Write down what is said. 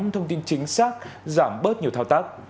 thông tin chính xác giảm bớt nhiều thao tác